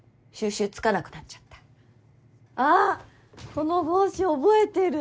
この帽子覚えてる！